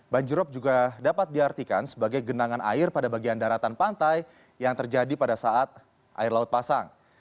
banjir rob juga dapat diartikan sebagai genangan air pada bagian daratan pantai yang terjadi pada saat air laut pasang